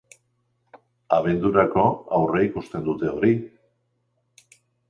Abendurako aurreikusten dute hori.